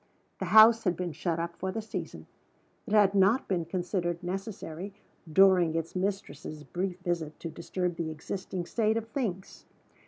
The house had been shut up for the season: it had not been considered necessary, during its mistress's brief visit, to disturb the existing state of things.